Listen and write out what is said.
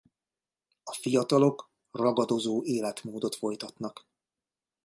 A fiatalok ragadozó életmódot folytatnak.